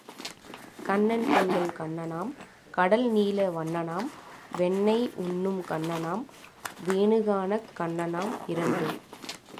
கண்ணன் எங்கள் கண்ணனாம் கடல் நீல வண்ணனாம் வெண்ணெய் உண்ணும் கண்ணனாம் வேணு கானக் கண்ணனாம் இரண்டு.